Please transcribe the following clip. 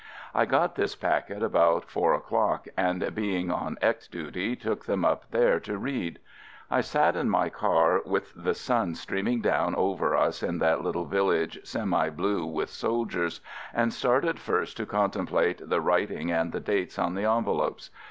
I got this packet about four o'clock and being on X —— duty took them up there to read. I sat in my car with the sun streaming down over us in that little vil lage semi blue with soldiers, and started first to contemplate the writing and the dates on the envelopes.